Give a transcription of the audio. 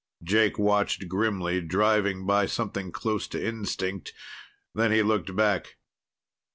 Jake watched grimly, driving by something close to instinct. Then he looked back.